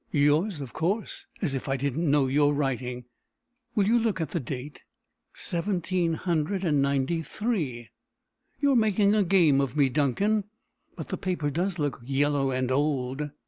"Yours, of course. As if I did not know your writing!" "Will you look at the date?" "Seventeen hundred and ninety three.' You are making game of me, Duncan. But the paper does look yellow and old."